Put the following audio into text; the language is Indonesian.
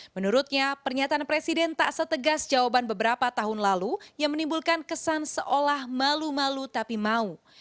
menurutnya pernyataan presiden tak setegas jawaban beberapa tahun lalu yang menimbulkan kesan seolah malu malu tapi mau